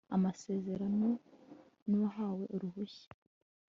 amasezerano n uwahawe uruhushya